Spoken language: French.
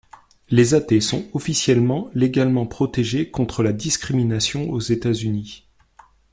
Les athées sont officiellement légalement protégés contre la discrimination aux États-Unis.